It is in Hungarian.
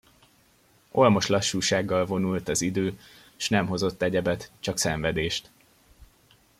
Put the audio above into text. Ólmos lassúsággal vonult az idő, s nem hozott egyebet; csak szenvedést.